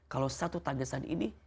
kalau satu tangisan ini